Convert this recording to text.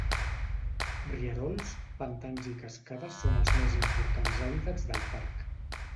Rierols, pantans i cascades són els més importants hàbitats del parc.